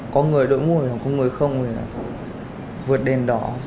có người đối mũi có người không thì vượt đèn đỏ